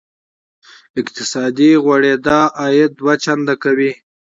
اقتصادي غوړېدا عاید دوه چنده کوي.